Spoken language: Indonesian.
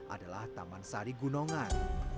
adalah taman sari gunongan